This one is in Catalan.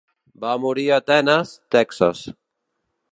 Va morir a Atenes, Texas.